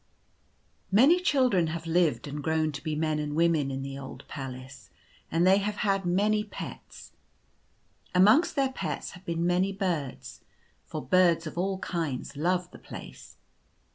Many children have lived and grown to be men and women in the old palace, and they have had many pets. Amongst their pets have been many birds — for birds of all kinds love the place.